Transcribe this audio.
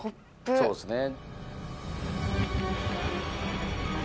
そうですね。